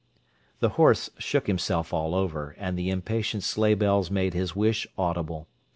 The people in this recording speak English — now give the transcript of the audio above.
The horse shook himself all over, and the impatient sleighbells made his wish audible.